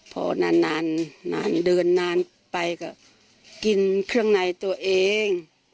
พอนานนานเดินนานไปก็กินเครื่องในตัวเอง